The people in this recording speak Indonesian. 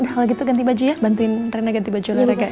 kalau gitu ganti baju ya bantuin rene ganti baju rekam